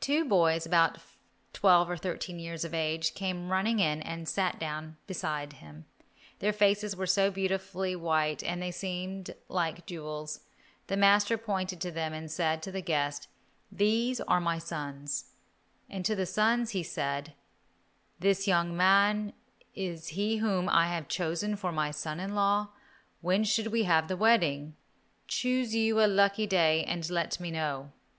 Two boys about twelve or thirteen years of age came running in and sat down beside him. Their faces were so beautifully white they seemed like jewels. The master pointed to them and said to the guest, "These are my sons," and to the sons he said, "This young man is he whom I have chosen for my son in law; when should we have the wedding? Choose you a lucky day and let me know."